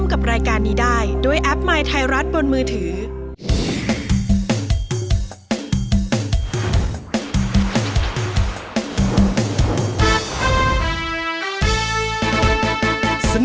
คุณล่ะโหลดหรือยัง